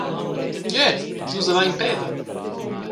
Gie, nus havein peda!